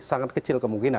sangat kecil kemungkinan